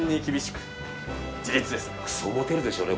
くそモテるでしょうね